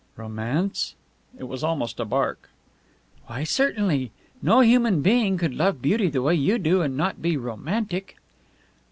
"Romance?" It was almost a bark. "Why, certainly. No human being could love beauty the way you do and not be romantic."